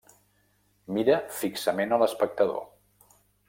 Mira fixament a l'espectador.